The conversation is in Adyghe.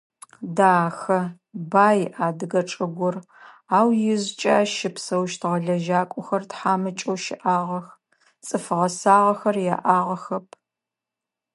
Дахэ, бай адыгэ чӏыгур, ау ижъыкӏэ ащ щыпсэущтыгъэ лэжьакӏохэр тхьамыкӏэу щыӏагъэх, цӏыф гъэсагъэхэр яӏагъэхэп.